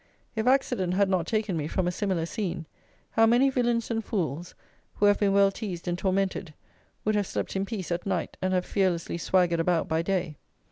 If accident had not taken me from a similar scene, how many villains and fools, who have been well teazed and tormented, would have slept in peace at night, and have fearlessly swaggered about by day!